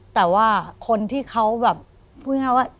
แต่ว่าคนที่เขาแบบ